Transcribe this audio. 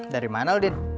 dari mana udin